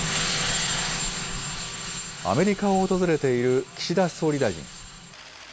アメリカを訪れている岸田総理大臣。